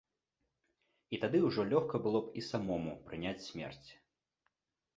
І тады ўжо лёгка было б і самому прыняць смерць.